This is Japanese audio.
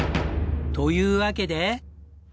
というわけで。